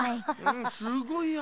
すごいや。